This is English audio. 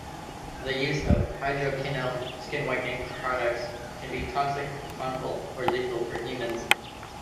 The use of hydroquinone skin-whitening products can be toxic, harmful or lethal for humans.